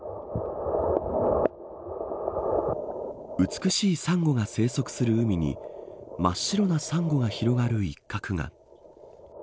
美しいサンゴが生息する海に真っ白なサンゴが広がる一角が。